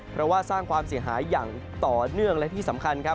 เพราะว่าสร้างความเสียหายอย่างต่อเนื่องและที่สำคัญครับ